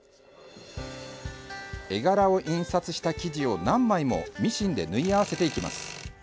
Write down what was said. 絵柄を印刷した生地を、何枚もミシンで縫い合わせていきます。